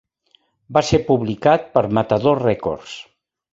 Va ser publicat per Matador Records.